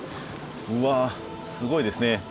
うわすごいですね。